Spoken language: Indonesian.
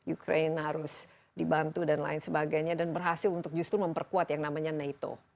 ukraine harus dibantu dan lain sebagainya dan berhasil untuk justru memperkuat yang namanya nato